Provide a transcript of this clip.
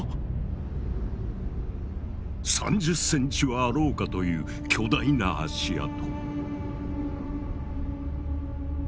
３０ｃｍはあろうかという巨大な足跡。